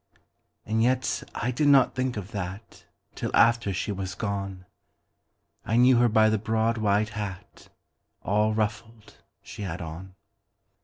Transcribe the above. And yet I did not think of thatTill after she was gone—I knew her by the broad white hat, All ruffled, she had on.